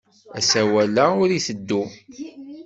Asawal-a ur itteddu.